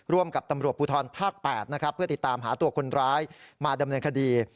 ร่วมกับตำรวจภูทรภาค๘นะครับเพื่อติดตามหาตัวคนร้ายมาดำเนินคดี